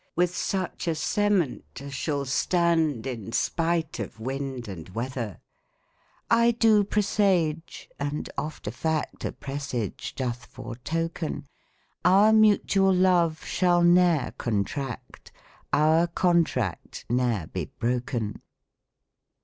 With such a cement as shall stand In spite of wind and weather. " I do pres'ige — and oft a fact A presage doth foretoken — Our mutual love shall ne'er contract. Our contract ne'er be broken."